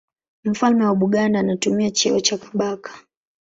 Mfalme wa Buganda anatumia cheo cha Kabaka.